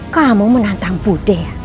kamu menantang budi